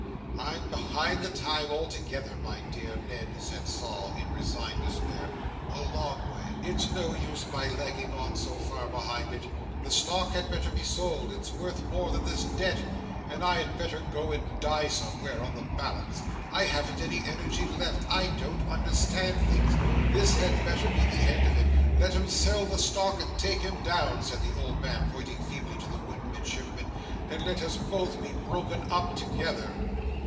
"I'm behind the time altogether, my dear Ned," said Sol, in resigned despair, "a long way. It's no use my lagging on so far behind it. The stock had better be sold—it's worth more than this debt—and I had better go and die somewhere, on the balance. I haven't any energy left. I don't understand things. This had better be the end of it. Let 'em sell the stock and take him down," said the old man, pointing feebly to the wooden Midshipman, "and let us both be broken up together."